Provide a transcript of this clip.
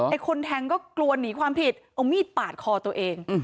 คนแทงก็กลัวหนีความผิดเอามีดปาดคอตัวเอง